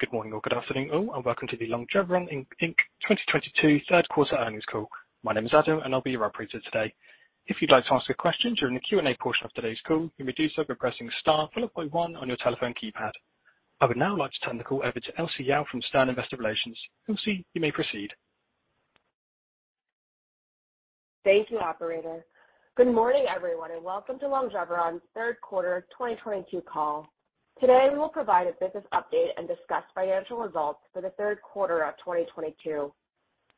Good morning or good afternoon all, and welcome to the Longeveron Inc. 2022 third quarter earnings call. My name is Adam, and I'll be your operator today. If you'd like to ask a question during the Q&A portion of today's call, you may do so by pressing star followed by one on your telephone keypad. I would now like to turn the call over to Elsie Yau from Stern Investor Relations. Elsie, you may proceed. Thank you, Operator. Good morning, everyone, and welcome to Longeveron's third quarter 2022 call. Today, we will provide a business update and discuss financial results for the third quarter of 2022.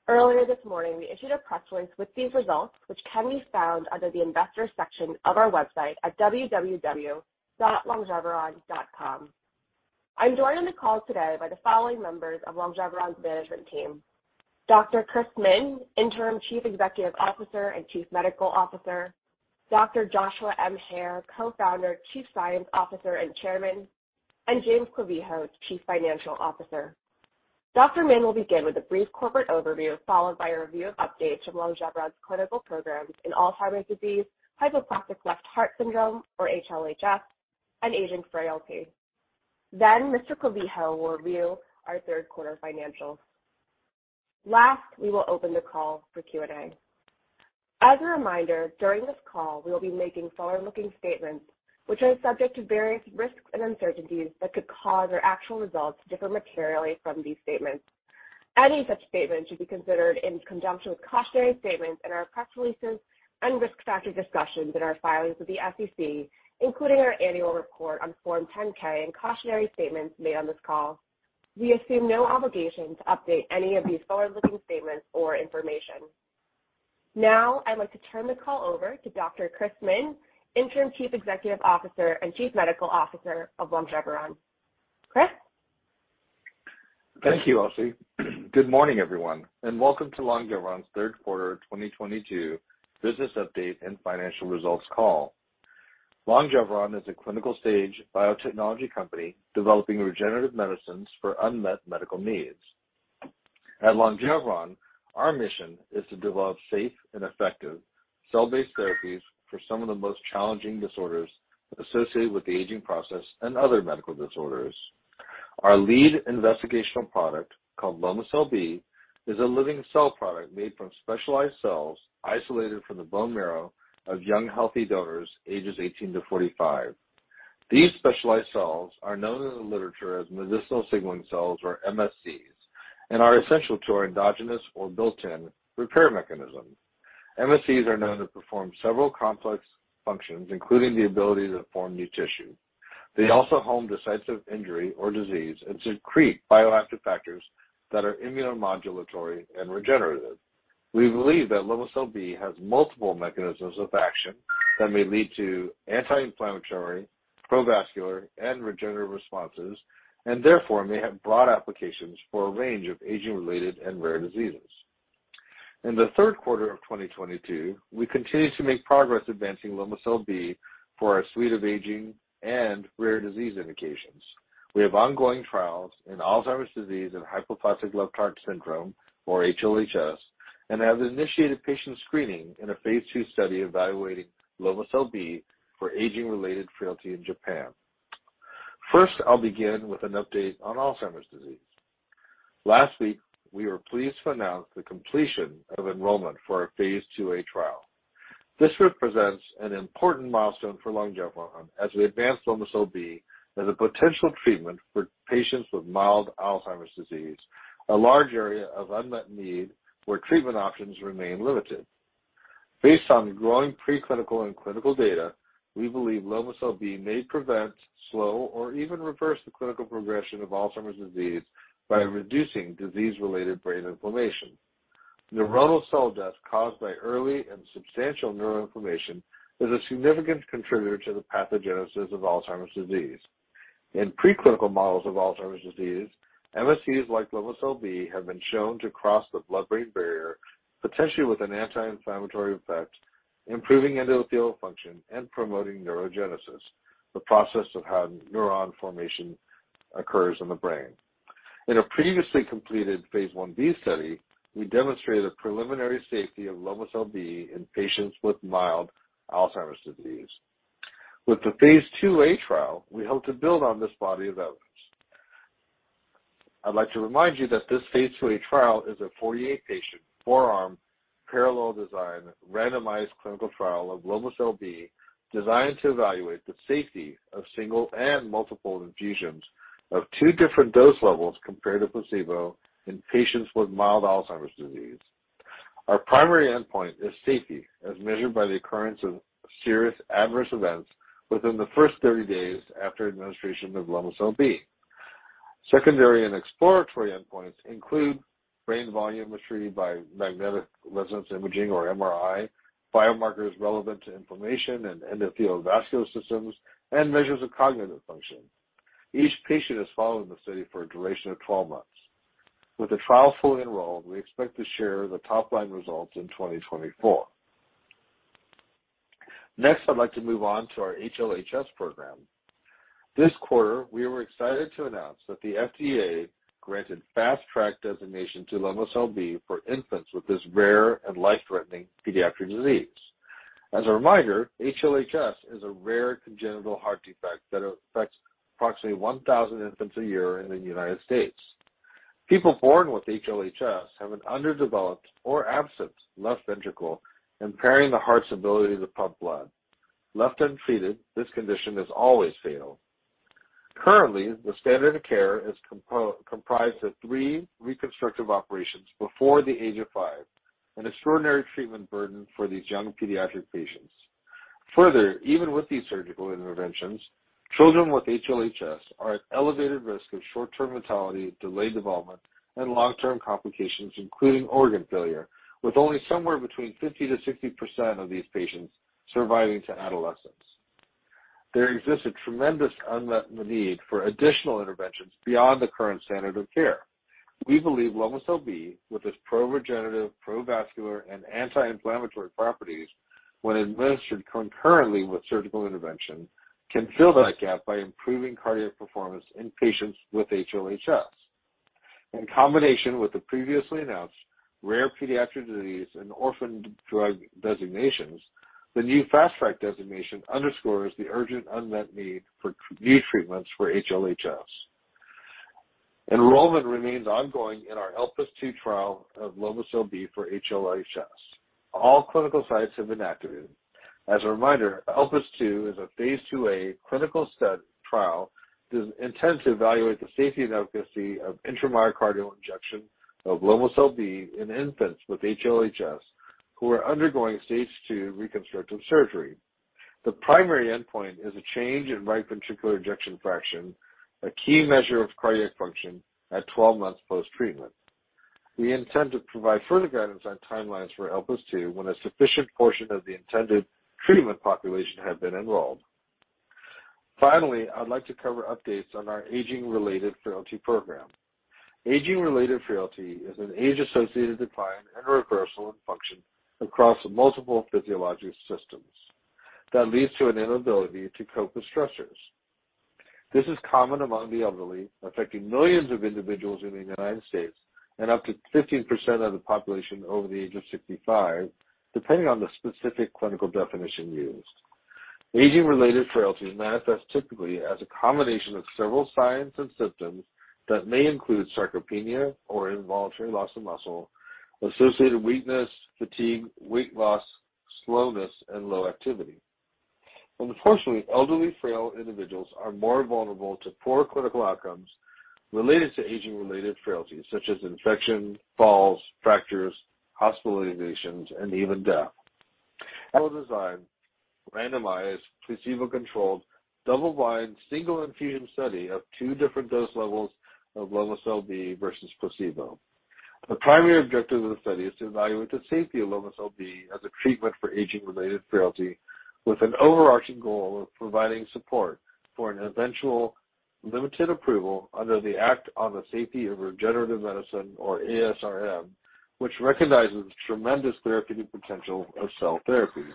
Earlier this morning, we issued a press release with these results, which can be found under the Investors section of our website at www.longeveron.com. I'm joined on the call today by the following members of Longeveron's management team, Dr. Chris Min, Interim Chief Executive Officer and Chief Medical Officer, Dr. Joshua M. Hare, Co-founder, Chief Science Officer, and Executive Chairman, and James Clavijo, Chief Financial Officer. Dr. Min will begin with a brief corporate overview followed by a review of updates from Longeveron's clinical programs in Alzheimer's disease, hypoplastic left heart syndrome or HLHS, and aging frailty. Then Mr. Clavijo will review our third quarter financials. Last, we will open the call for Q&A. As a reminder, during this call, we will be making forward-looking statements which are subject to various risks and uncertainties that could cause our actual results to differ materially from these statements. Any such statements should be considered in conjunction with cautionary statements in our press releases and risk factor discussions in our filings with the SEC, including our annual report on Form 10-K and cautionary statements made on this call. We assume no obligation to update any of these forward-looking statements or information. Now, I'd like to turn the call over to Dr. Chris Min, Interim Chief Executive Officer and Chief Medical Officer of Longeveron. Chris? Thank you, Elsie. Good morning, everyone, and welcome to Longeveron's third quarter 2022 business update and financial results call. Longeveron is a clinical-stage biotechnology company developing regenerative medicines for unmet medical needs. At Longeveron, our mission is to develop safe and effective cell-based therapies for some of the most challenging disorders associated with the aging process and other medical disorders. Our lead investigational product, called Lomecel-B, is a living cell product made from specialized cells isolated from the bone marrow of young healthy donors ages 18 to 45. These specialized cells are known in the literature as medicinal signaling cells or MSCs and are essential to our endogenous or built-in repair mechanism. MSCs are known to perform several complex functions, including the ability to form new tissue. They also home to sites of injury or disease and secrete bioactive factors that are immunomodulatory and regenerative. We believe that Lomecel-B has multiple mechanisms of action that may lead to anti-inflammatory, pro-vascular, and regenerative responses, and therefore may have broad applications for a range of aging-related and rare diseases. In the third quarter of 2022, we continue to make progress advancing Lomecel-B for our suite of aging and rare disease indications. We have ongoing trials in Alzheimer's disease and hypoplastic left heart syndrome or HLHS, and have initiated patient screening in a phase II study evaluating Lomecel-B for aging-related frailty in Japan. First, I'll begin with an update on Alzheimer's disease. Last week, we were pleased to announce the completion of enrollment for our phase II-A trial. This represents an important milestone for Longeveron as we advance Lomecel-B as a potential treatment for patients with mild Alzheimer's disease, a large area of unmet need where treatment options remain limited. Based on growing pre-clinical and clinical data, we believe Lomecel-B may prevent, slow, or even reverse the clinical progression of Alzheimer's disease by reducing disease-related brain inflammation. Neuronal cell death caused by early and substantial neuroinflammation is a significant contributor to the pathogenesis of Alzheimer's disease. In pre-clinical models of Alzheimer's disease, MSCs like Lomecel-B have been shown to cross the blood-brain barrier, potentially with an anti-inflammatory effect, improving endothelial function and promoting neurogenesis, the process of how neuron formation occurs in the brain. In a previously completed phase I-B study, we demonstrated a preliminary safety of Lomecel-B in patients with mild Alzheimer's disease. With the phase II-A trial, we hope to build on this body of evidence. I'd like to remind you that this phase II-A trial is a 48-patient, 4-arm, parallel design, randomized clinical trial of Lomecel-B designed to evaluate the safety of single and multiple infusions of two different dose levels compared to placebo in patients with mild Alzheimer's disease. Our primary endpoint is safety, as measured by the occurrence of serious adverse events within the first 30 days after administration of Lomecel-B. Secondary and exploratory endpoints include brain volumetry by magnetic resonance imaging or MRI, biomarkers relevant to inflammation and endothelial vascular systems, and measures of cognitive function. Each patient is followed in the study for a duration of 12 months. With the trial fully enrolled, we expect to share the top-line results in 2024. Next, I'd like to move on to our HLHS program. This quarter, we were excited to announce that the FDA granted Fast Track designation to Lomecel-B for infants with this rare and life-threatening pediatric disease. As a reminder, HLHS is a rare congenital heart defect that affects approximately 1,000 infants a year in the United States. People born with HLHS have an underdeveloped or absent left ventricle, impairing the heart's ability to pump blood. Left untreated, this condition is always fatal. Currently, the standard of care is comprised of three reconstructive operations before the age of five, an extraordinary treatment burden for these young pediatric patients. Further, even with these surgical interventions, children with HLHS are at elevated risk of short-term mortality, delayed development, and long-term complications, including organ failure, with only somewhere between 50%-60% of these patients surviving to adolescence. There exists a tremendous unmet need for additional interventions beyond the current standard of care. We believe Lomecel-B, with its pro-regenerative, pro-vascular, and anti-inflammatory properties when administered concurrently with surgical intervention, can fill that gap by improving cardiac performance in patients with HLHS. In combination with the previously announced rare pediatric disease and orphan drug designations, the new Fast Track designation underscores the urgent unmet need for new treatments for HLHS. Enrollment remains ongoing in our ELPIS II trial of Lomecel-B for HLHS. All clinical sites have been activated. As a reminder, ELPIS II is a phase II-A clinical trial that intends to evaluate the safety and efficacy of intramyocardial injection of Lomecel-B in infants with HLHS who are undergoing Stage 2 reconstructive surgery. The primary endpoint is a change in right ventricular ejection fraction, a key measure of cardiac function at 12 months post-treatment. We intend to provide further guidance on timelines for ELPIS II when a sufficient portion of the intended treatment population have been enrolled. Finally, I'd like to cover updates on our aging-related frailty program. Aging-related frailty is an age-associated decline and reversal in function across multiple physiologic systems that leads to an inability to cope with stressors. This is common among the elderly, affecting millions of individuals in the United States and up to 15% of the population over the age of 65, depending on the specific clinical definition used. Aging-related frailty manifests typically as a combination of several signs and symptoms that may include sarcopenia or involuntary loss of muscle-associated weakness, fatigue, weight loss, slowness, and low activity. Unfortunately, elderly frail individuals are more vulnerable to poor clinical outcomes related to aging-related frailty, such as infection, falls, fractures, hospitalizations, and even death. Well-designed, randomized, placebo-controlled, double-blind, single-infusion study of two different dose levels of Lomecel-B versus placebo. The primary objective of the study is to evaluate the safety of Lomecel-B as a treatment for aging-related frailty, with an overarching goal of providing support for an eventual limited approval under the Act on the Safety of Regenerative Medicine, or ASRM, which recognizes the tremendous therapeutic potential of cell therapies.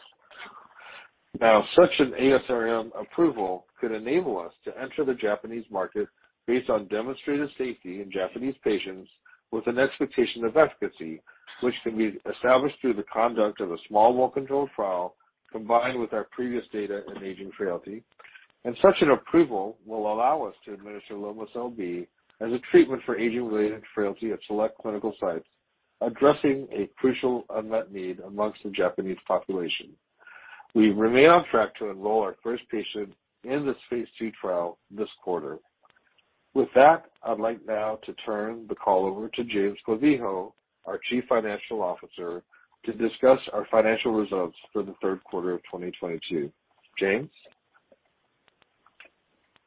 Now, such an ASRM approval could enable us to enter the Japanese market based on demonstrated safety in Japanese patients with an expectation of efficacy, which can be established through the conduct of a small, well-controlled trial combined with our previous data in aging frailty. Such an approval will allow us to administer Lomecel-B as a treatment for aging-related frailty at select clinical sites, addressing a crucial unmet need among the Japanese population. We remain on track to enroll our first patient in this phase II trial this quarter. With that, I'd like now to turn the call over to James Clavijo, our Chief Financial Officer, to discuss our financial results for the third quarter of 2022. James?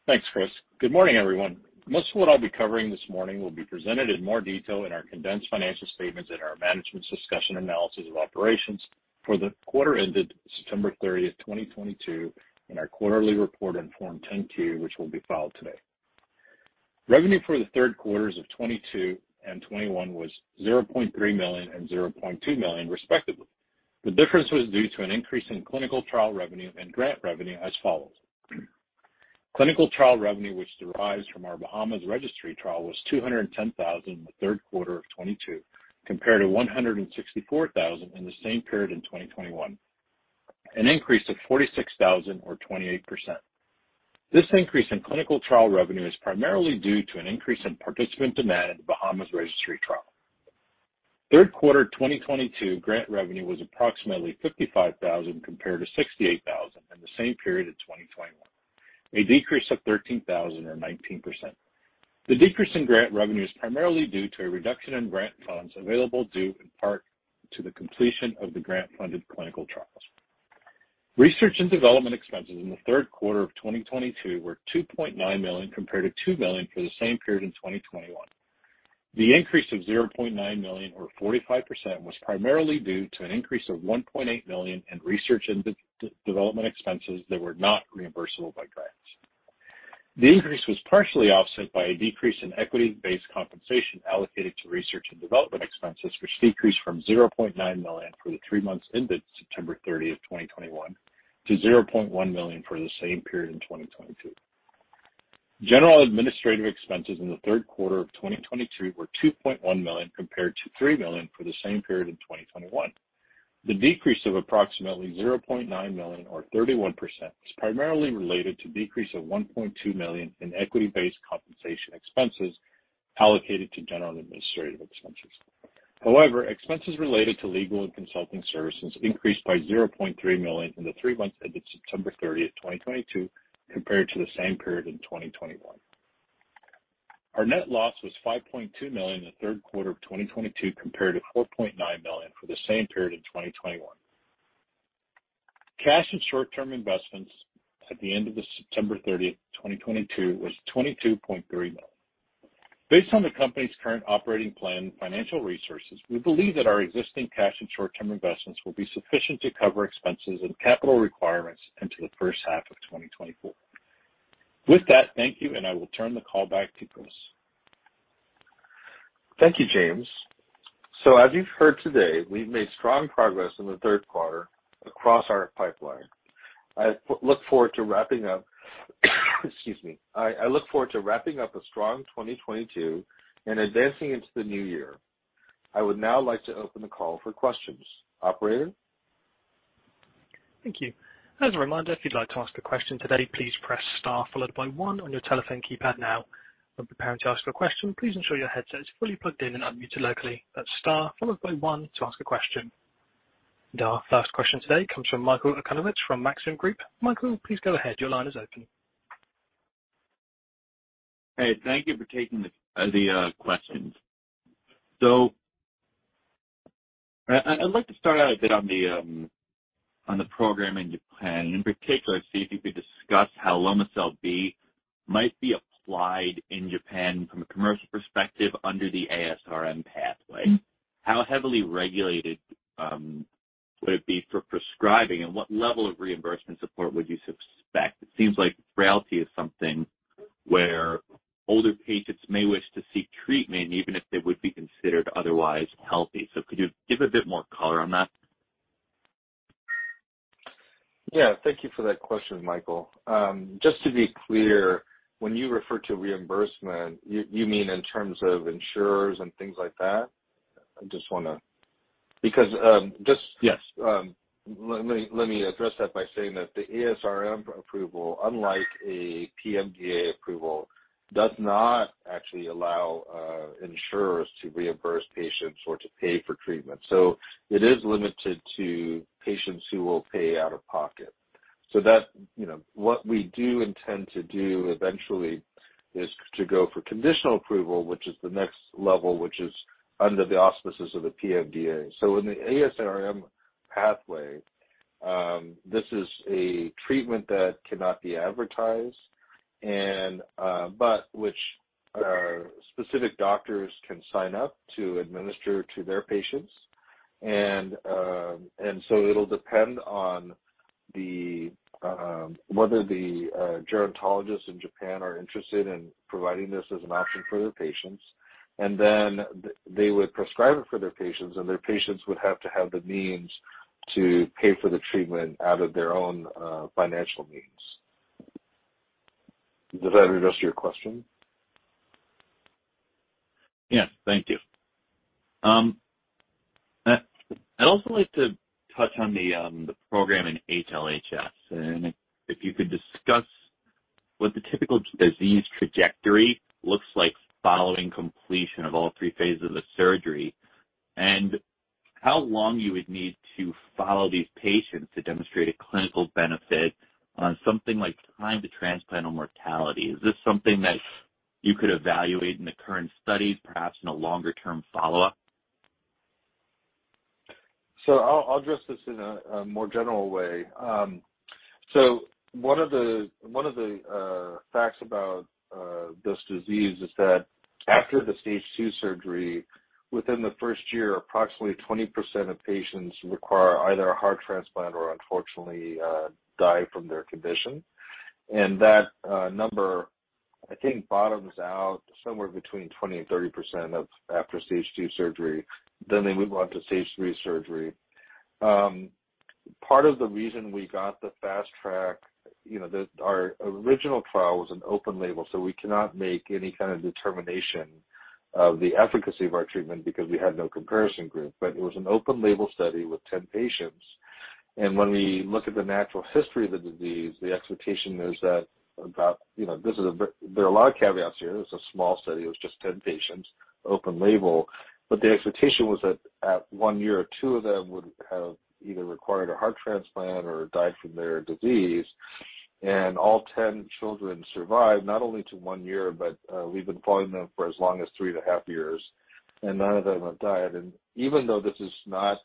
Thanks, Chris. Good morning, everyone. Most of what I'll be covering this morning will be presented in more detail in our condensed financial statements and our management's discussion and analysis of operations for the quarter ended September 30th, 2022, in our quarterly report on Form 10-Q, which will be filed today. Revenue for the third quarters of 2022 and 2021 was $0.3 million and $0.2 million, respectively. The difference was due to an increase in clinical trial revenue and grant revenue as follows. Clinical trial revenue, which derives from our Bahamas Registry Trial, was $210,000 in the third quarter of 2022, compared to $164,000 in the same period in 2021, an increase of $46,000 or 28%. This increase in clinical trial revenue is primarily due to an increase in participant demand in the Bahamas Registry Trial. Third quarter 2022 grant revenue was approximately $55,000 compared to $68,000 in the same period of 2021, a decrease of $13,000 or 19%. The decrease in grant revenue is primarily due to a reduction in grant funds available due in part to the completion of the grant-funded clinical trials. Research and development expenses in the third quarter of 2022 were $2.9 million compared to $2 million for the same period in 2021. The increase of $0.9 million or 45% was primarily due to an increase of $1.8 million in research and development expenses that were not reimbursable by grants. The increase was partially offset by a decrease in equity-based compensation allocated to research and development expenses, which decreased from $0.9 million for the three months ended September 30th, 2021 to $0.1 million for the same period in 2022. General and administrative expenses in the third quarter of 2022 were $2.1 million compared to $3 million for the same period in 2021. The decrease of approximately $0.9 million or 31% is primarily related to decrease of $1.2 million in equity-based compensation expenses allocated to general and administrative expenses. However, expenses related to legal and consulting services increased by $0.3 million in the three months ended September 30th, 2022, compared to the same period in 2021. Our net loss was $5.2 million in the third quarter of 2022 compared to $4.9 million for the same period in 2021. Cash and short-term investments at the end of September 30th, 2022 was $22.3 million. Based on the company's current operating plan and financial resources, we believe that our existing cash and short-term investments will be sufficient to cover expenses and capital requirements into the first half of 2024. With that, thank you, and I will turn the call back to Chris. Thank you, James. As you've heard today, we've made strong progress in the third quarter across our pipeline. I look forward to wrapping up a strong 2022 and advancing into the new year. I would now like to open the call for questions. Operator? Thank you. As a reminder, if you'd like to ask a question today, please press star followed by one on your telephone keypad now. When preparing to ask a question, please ensure your headset is fully plugged in and unmuted locally. That's star followed by one to ask a question. Our first question today comes from Michael Okunewitch from Maxim Group. Michael, please go ahead. Your line is open. Hey, thank you for taking the questions. I'd like to start out a bit on the program in Japan, and in particular, see if you could discuss how Lomecel-B might be applied in Japan from a commercial perspective under the ASRM pathway. How heavily regulated would it be for prescribing, and what level of reimbursement support would you suspect? It seems like frailty is something where older patients may wish to seek treatment even if they would be considered otherwise healthy. Could you give a bit more color on that? Yeah. Thank you for that question, Michael. Just to be clear, when you refer to reimbursement, you mean in terms of insurers and things like that? I just wanna make sure. Because, um, just— Yes. Let me address that by saying that the ASRM approval, unlike a PMDA approval, does not actually allow insurers to reimburse patients or to pay for treatment. It is limited to patients who will pay out of pocket. That's, you know, what we do intend to do eventually is to go for conditional approval, which is the next level, which is under the auspices of the PMDA. In the ASRM pathway, this is a treatment that cannot be advertised, but which specific doctors can sign up to administer to their patients. It'll depend on whether the gerontologists in Japan are interested in providing this as an option for their patients. Then they would prescribe it for their patients, and their patients would have to have the means to pay for the treatment out of their own financial means. Does that address your question? Yes. Thank you. I'd also like to touch on the program in HLHS. If you could discuss what the typical disease trajectory looks like following completion of all three phases of surgery and how long you would need to follow these patients to demonstrate a clinical benefit on something like time to transplant or mortality. Is this something that you could evaluate in the current studies, perhaps in a longer-term follow-up? I'll address this in a more general way. One of the facts about this disease is that after the Stage 2 surgery, within the first year, approximately 20% of patients require either a heart transplant or unfortunately die from their condition. That number, I think, bottoms out somewhere between 20%-30% overall after Stage 2 surgery. They move on to Stage 3 surgery. Part of the reason we got the Fast Track. Our original trial was an open label, so we cannot make any kind of determination of the efficacy of our treatment because we had no comparison group. It was an open label study with 10 patients. When we look at the natural history of the disease, the expectation is that about there are a lot of caveats here. This is a small study. It was just 10 patients, open label. The expectation was that at one year, two of them would have either required a heart transplant or died from their disease. All 10 children survived, not only to one year, but we've been following them for as long as three and a half years, and none of them have died. Even though this is not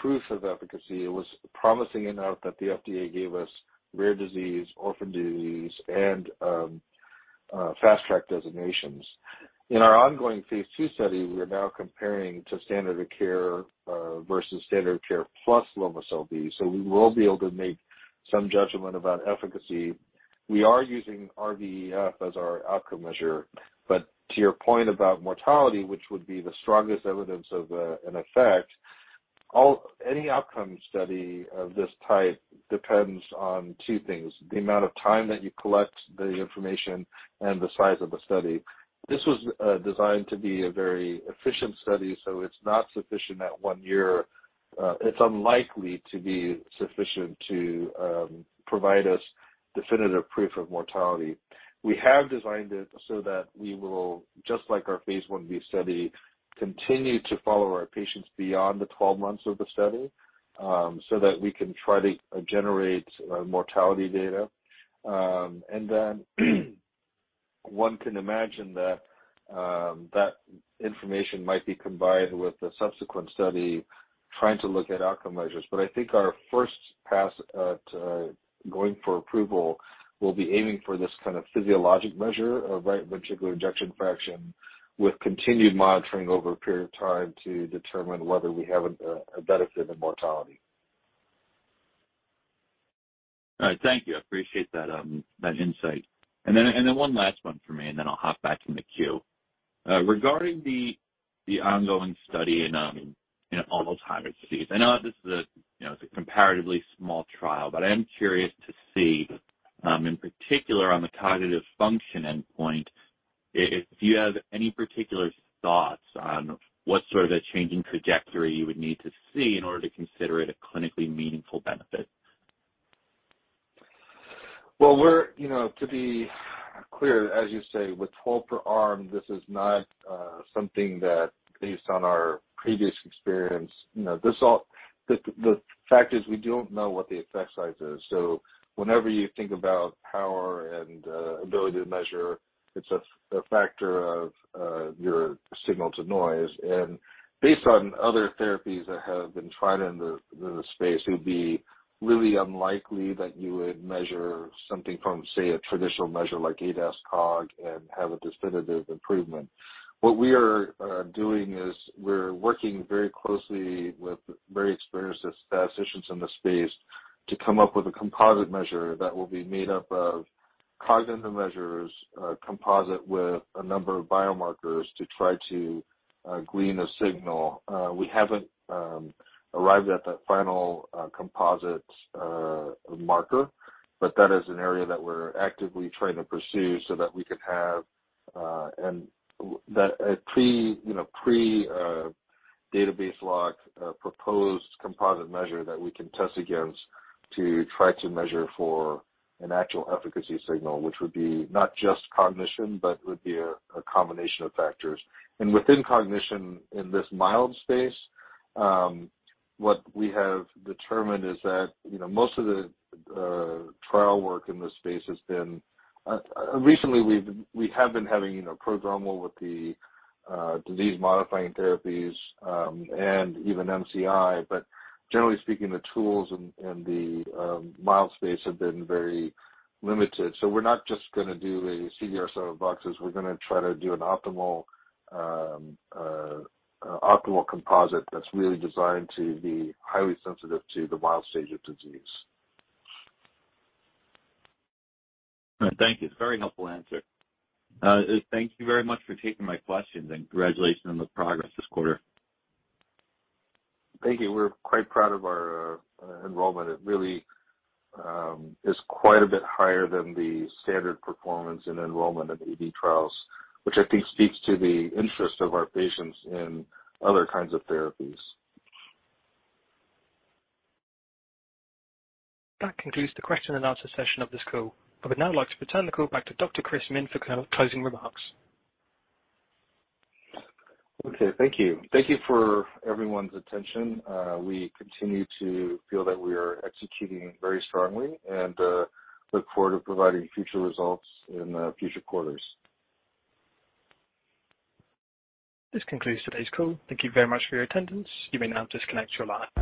proof of efficacy, it was promising enough that the FDA gave us rare disease, orphan disease, and Fast Track designations. In our ongoing phase II study, we are now comparing to standard of care versus standard of care plus Lomecel-B, so we will be able to make some judgment about efficacy. We are using RVEF as our outcome measure. To your point about mortality, which would be the strongest evidence of an effect. Any outcome study of this type depends on two things, the amount of time that you collect the information and the size of the study. This was designed to be a very efficient study, so it's not sufficient at one year. It's unlikely to be sufficient to provide us definitive proof of mortality. We have designed it so that we will, just like our phase I-B study, continue to follow our patients beyond the 12 months of the study, so that we can try to generate mortality data. One can imagine that information might be combined with the subsequent study trying to look at outcome measures. I think our first pass at going for approval will be aiming for this kind of physiologic measure of right ventricular ejection fraction with continued monitoring over a period of time to determine whether we have a benefit in mortality. All right. Thank you. I appreciate that insight. Then one last one for me, and then I'll hop back in the queue. Regarding the ongoing study in Alzheimer's disease, I know this is a, you know, it's a comparatively small trial, but I am curious to see, in particular on the cognitive function endpoint, if you have any particular thoughts on what sort of a changing trajectory you would need to see in order to consider it a clinically meaningful benefit? Well, you know, to be clear, as you say, with 12 patients per arm, this is not something that based on our previous experience, you know, the fact is we don't know what the effect size is. Whenever you think about power and ability to measure, it's a factor of your signal to noise. Based on other therapies that have been tried in the space, it would be really unlikely that you would measure something from, say, a traditional measure like ADAS-Cog and have a definitive improvement. What we are doing is we're working very closely with very experienced statisticians in the space to come up with a composite measure that will be made up of cognitive measures, composite with a number of biomarkers to try to glean a signal. We haven't arrived at that final composite marker, but that is an area that we're actively trying to pursue so that we can have a pre-database lock proposed composite measure that we can test against to try to measure for an actual efficacy signal, which would be not just cognition, but would be a combination of factors. Within cognition in this mild space, what we have determined is that, you know, most of the trial work in this space has been recently we have been having you know prodromal with the disease-modifying therapies and even MCI. But generally speaking, the tools in the mild space have been very limited. We're not just gonna do a CDR sum of boxes. We're gonna try to do an optimal composite that's really designed to be highly sensitive to the mild stage of disease. All right. Thank you. It's a very helpful answer. Thank you very much for taking my questions, and congratulations on the progress this quarter. Thank you. We're quite proud of our enrollment. It really is quite a bit higher than the standard performance in enrollment of AD trials, which I think speaks to the interest of our patients in other kinds of therapies. That concludes the question and answer session of this call. I would now like to return the call back to Dr. Chris Min for kind of closing remarks. Okay. Thank you. Thank you for everyone's attention. We continue to feel that we are executing very strongly and look forward to providing future results in future quarters. This concludes today's call. Thank you very much for your attendance. You may now disconnect your line.